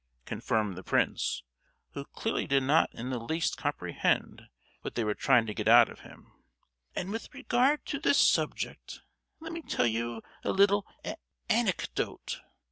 confirmed the prince, who clearly did not in the least comprehend what they were trying to get out of him; "and with regard to this subject, let me tell you a little an—ecdote.